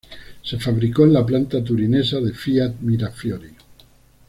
Se fabricó en la planta turinesa de Fiat Mirafiori.